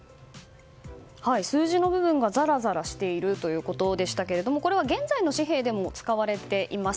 数字の部分がザラザラしているということでしたけどこれは現在の紙幣でも使われています。